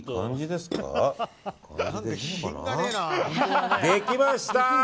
できました！